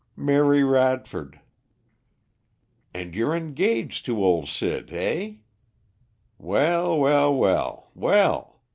"Mary Radford." "And you're engaged to old Sid, eh? Well! well! well! well!